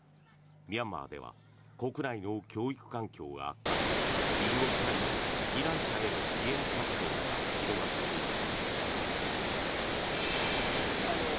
ミャンマーでは国内の教育環境が悪化し隣国タイで避難者への支援活動が広がっている。